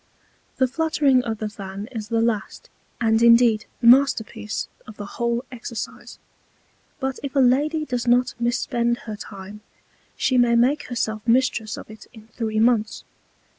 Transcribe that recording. The Fluttering of the Fan is the last, and indeed the Masterpiece of the whole Exercise; but if a Lady does not mis spend her Time, she may make herself Mistress of it in three Months.